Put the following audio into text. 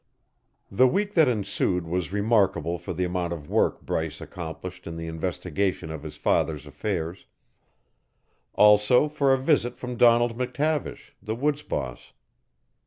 The week that ensued was remarkable for the amount of work Bryce accomplished in the investigation of his father's affairs also for a visit from Donald McTavish, the woods boss.